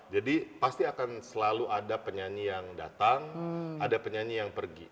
jadi pasti akan selalu ada penyanyi yang datang ada penyanyi yang pergi